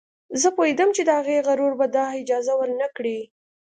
زه پوهېدم چې د هغې غرور به دا اجازه ور نه کړي